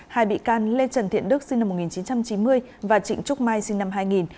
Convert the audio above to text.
hai bị can lê trần thiện đức sinh năm một nghìn chín trăm chín mươi và trịnh trúc mai sinh năm hai nghìn